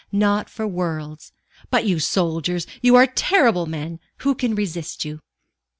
"Not for worlds. But you soldiers you are terrible men! Who can resist you?"